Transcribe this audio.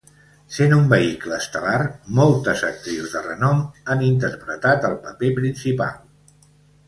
Sent un vehicle estel·lar, moltes actrius de renom han interpretat el paper principal.